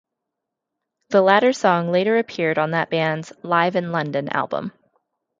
The latter song later appeared on that band's "Live in London" album.